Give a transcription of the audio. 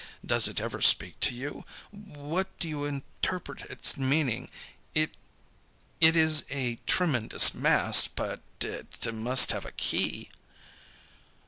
Does it ever speak to you? How do you interpret its meaning? It is a tremendous mass, but it must have a key."